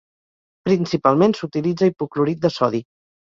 Principalment s'utilitza hipoclorit de sodi.